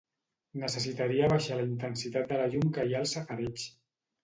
Necessitaria abaixar la intensitat de la llum que hi ha al safareig.